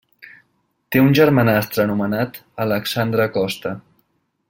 Té un germanastre anomenat Alexandre Coste.